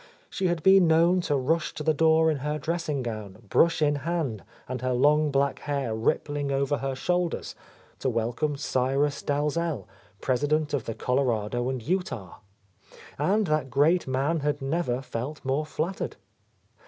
She had been known to rush to the door in her dressing gown, brush in hand and her long black hair rippling over her shoulders, to welcome Cyrus Dalzell, president of the Colorado & Utah; and that great man had A Lost Lady never felt more flattered.